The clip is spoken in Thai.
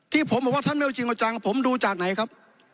ที่ผมบอกว่าท่านไม่เอาจริงเอาจังผมดูจากไหนครับ